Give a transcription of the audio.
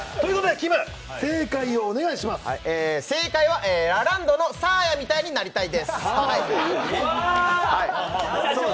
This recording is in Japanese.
正解はラランドのサーヤみたいになりたいです。